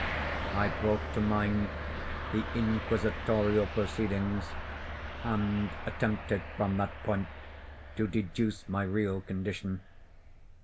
I brought to mind the inquisitorial proceedings, and attempted from that point to deduce my real condition.